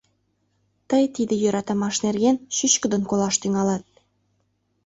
— Тый тиде йӧратымаш нерген чӱчкыдын колаш тӱҥалат.